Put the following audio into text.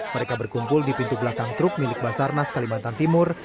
mereka berkumpul di pintu belakang truk milik basarnas kalimantan timur